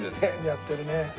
やってるね。